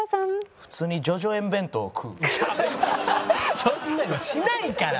普通にそんなのしないから。